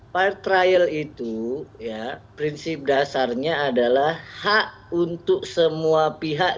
fire trial itu prinsip dasarnya adalah hak untuk semua pihak